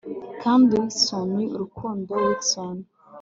kandi swoon, urukundo, swoon